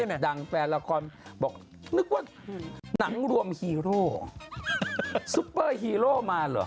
เกิดเหตุดังแฟนละครนึกว่านังรวมฮีโร่ซุเปอร์ฮีโร่มาเหรอ